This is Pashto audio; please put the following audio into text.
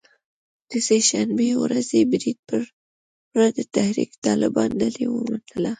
د سه شنبې ورځې برید پړه د تحریک طالبان ډلې ومنله